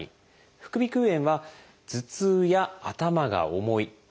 副鼻腔炎は頭痛や頭が重い鼻づまり